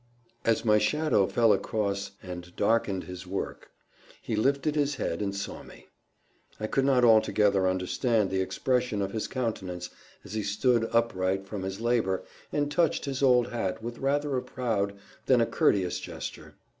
As my shadow fell across and darkened his work, he lifted his head and saw me. I could not altogether understand the expression of his countenance as he stood upright from his labour and touched his old hat with rather a proud than a courteous gesture.